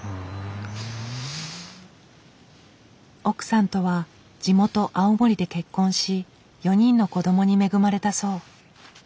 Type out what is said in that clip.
奥さんとは地元青森で結婚し４人の子供に恵まれたそう。